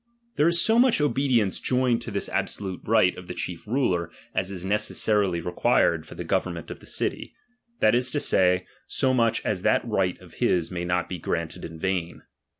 There is so much obedience joined to this absolute right of the chief ruler, as is neces sarily required for the government of the city, that is to say, so much as that right of his may not be granted in vain.